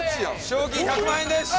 賞金１００万円です。